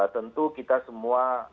tentu kita semua